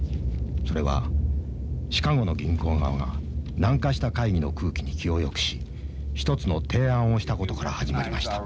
それはシカゴの銀行側が軟化した会議の空気に気をよくし一つの提案をしたことから始まりました」。